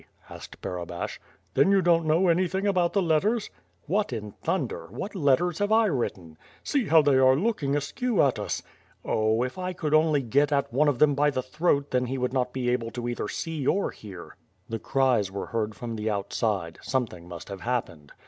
asked Barabash. "Then you don't know anything about the letters?" "What in thunder! What letters have 1 written?" "See, how they are looking askew at us?" "Oh! If 1 could only f:;vi at one of them by the throat then he would not be able to either see or hear." Then cries were heard from the outside; something must have happened.